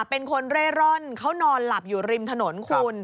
เป็นคนเร่ร่อนเขานอนหลับอยู่ริมถนนคุณ